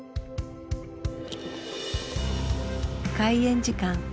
開演時間。